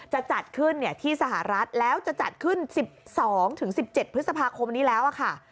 จะจัดขึ้นที่สหรัฐแล้วจะจัดขึ้น๑๒๑๗พฤษภาคมนี้แล้วค่ะ